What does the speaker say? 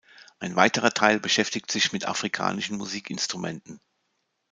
Ein weiterer Teil beschäftigt sich mit afrikanischen Musikinstrumenten.